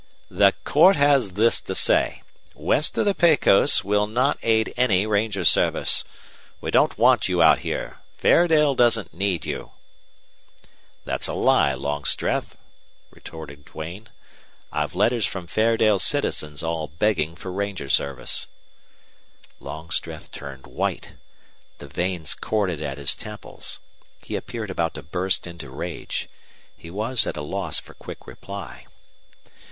"The court has this to say. West of the Pecos we'll not aid any ranger service. We don't want you out here. Fairdale doesn't need you." "That's a lie, Longstreth," retorted Duane. "I've letters from Fairdale citizens all begging for ranger service." Longstreth turned white. The veins corded at his temples. He appeared about to burst into rage. He was at a loss for quick reply.